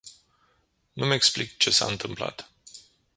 Nu-mi explic ce s-a întâmplat.